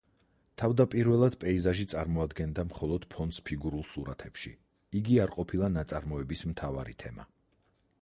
თავდაპირველად პეიზაჟი წარმოადგენდა მხოლოდ ფონს ფიგურულ სურათებში, იგი არ ყოფილა ნაწარმოების მთავარი თემა.